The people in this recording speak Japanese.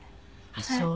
あっそう。